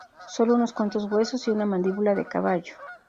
Sólo unos cuantos huesos y una mandíbula de caballo"".